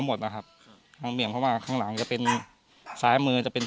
หมดนะครับครับทางเบี่ยงเพราะว่าข้างหลังจะเป็นซ้ายมือจะเป็น